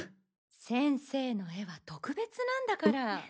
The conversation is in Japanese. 先生の絵は特別なんだから。